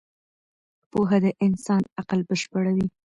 پوهه د انسان عقل بشپړوي.